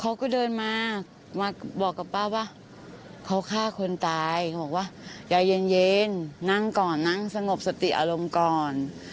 เขาก็เดินมามาบอกกับป้าว่าเขาฆ่าคนตายเขาบอกว่ายายเย็นนั่งก่อนนั่งสงบสติอารมณ์ก่อน